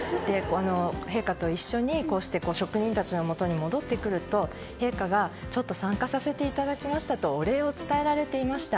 陛下と一緒にこうして職人たちのもとに戻ってくると陛下が、ちょっと参加させていただきましたとお礼を伝えられていました。